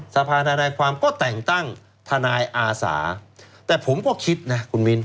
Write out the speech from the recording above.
ทนายความก็แต่งตั้งทนายอาสาแต่ผมก็คิดนะคุณมิ้น